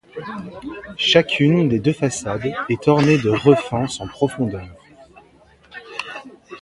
Chacune des deux façades est ornée de refends sans profondeur.